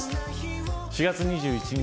４月２１日